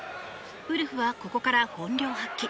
ウルフは、ここから本領発揮。